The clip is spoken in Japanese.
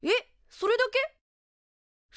それだけ。